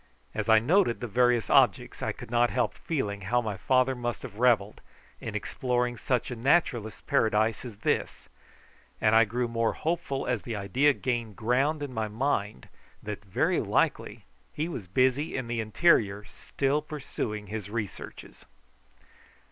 As I noted the various objects I could not help feeling how my father must have revelled in exploring such a naturalist's paradise as this, and I grew more hopeful as the idea gained ground in my mind that very likely he was busy in the interior still pursuing his researches.